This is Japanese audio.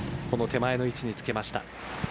手前の位置につけました。